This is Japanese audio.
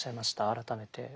改めて。